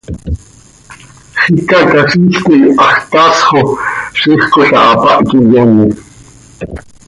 Xicaquiziil coi hax thaasx oo, ziix cola hapáh quih iyoonec.